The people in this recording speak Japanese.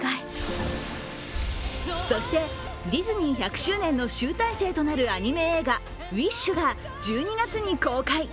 そして、ディズニー１００周年の集大成となるアニメ映画「ウィッシュ」が１２月に公開。